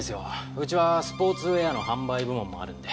うちはスポーツウェアの販売部門もあるんで。